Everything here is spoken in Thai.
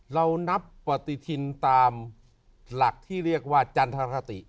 เรานับปฏิทินตามหลักที่เรียกว่าจันทรคติ